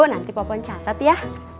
nanti popon catet ya